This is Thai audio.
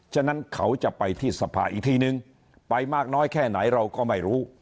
ฉะนั้นเขาจะไปที่สภาอีกทีนึงไปมากน้อยแค่ไหนเราก็ไม่รู้